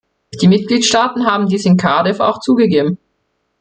Die Mitgliedstaaten haben dies in Cardiff auch zugegeben.